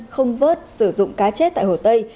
không vớt sử dụng cá chết tại hồ tây